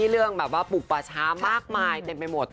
เรื่องแบบว่าปลูกป่าช้ามากมายเต็มไปหมด